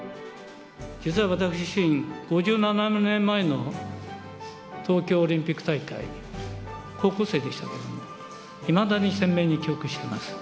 実は私自身、５７年前の東京オリンピック大会、高校生でしたけれども、いまだに鮮明に記憶しております。